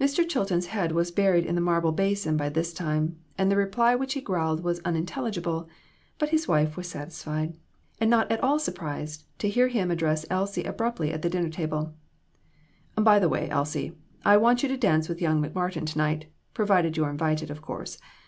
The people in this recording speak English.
Mr. Chilton's head was buried in the marble basin by this time, and the reply which he growled was unintelligible ; but his wife was satisfied, and not at all surprised to hear him address Elsie abruptly at the dinner table "By the way, Elsie, I want you to dance with young McMartin to night, provided you are invited, of course.